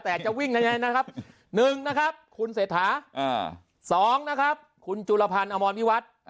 แต่จะวิ่งยังไงนะครับ๑คุณเสธา๒คุณจุรพันธ์อมรพิวัตร